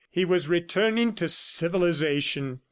. he was returning to civilization!